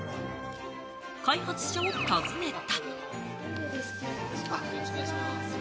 開発者を訪ねた。